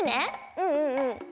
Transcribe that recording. うんうんうん。